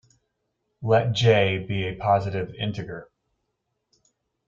Let "j" be a positive integer.